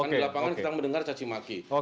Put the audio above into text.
di lapangan kita mendengar cacimaki